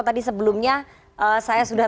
tadi sebelumnya saya sudah